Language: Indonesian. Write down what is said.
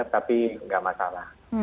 sangat tapi tidak masalah